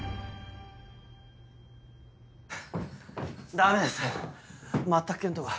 ダメです全く検討が。